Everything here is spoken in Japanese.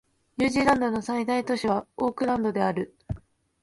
ニュージーランドの最大都市はオークランドである